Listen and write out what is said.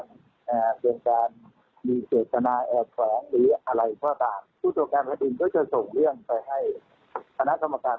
ในการมีเศรษฐนาแอบแฟ้งหรืออะไรเพราะตาม